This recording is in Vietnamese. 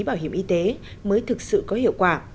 bảo hiểm y tế mới thực sự có hiệu quả